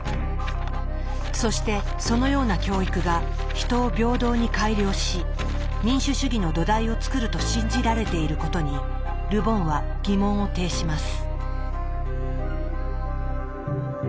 そしてそのような教育が人を平等に改良し民主主義の土台を作ると信じられていることにル・ボンは疑問を呈します。